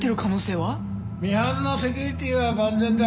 ミハンのセキュリティーは万全だ。